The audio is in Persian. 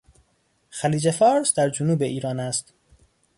خلیج فارس در جنوب ایران است.